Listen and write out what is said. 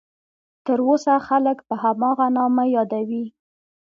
تر اوسه خلک په هماغه نامه یادوي.